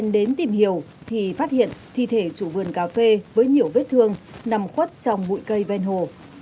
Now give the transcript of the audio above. đến tìm hiểu thì phát hiện thi thể chủ vườn cà phê với nhiều vết thương nằm khuất trong bụi cây ven hồ